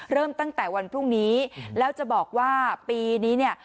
เริ่มตั้งแต่วันพรุ่งนี้แล้วจะบอกว่าปีนี้เนี่ย